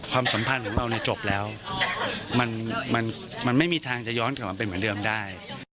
สัมพันธ์ของเราจบแล้วมันไม่มีทางจะย้อนกลับมาเป็นเหมือนเดิมได้